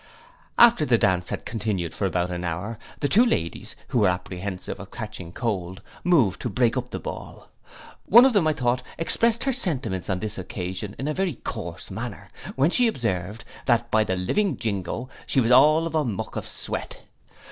After the dance had continued about an hour, the two ladies, who were apprehensive of catching cold, moved to break up the ball. One of them, I thought, expressed her sentiments upon this occasion in a very coarse manner, when she observed, that by the living jingo, she was all of a muck of sweat.